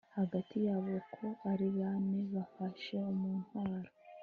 hagati yabo uko ari bane, bafashe umutwaro